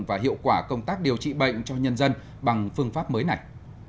và hiệu quả công tác điều trị bệnh cho nhân dân bằng phương pháp mới này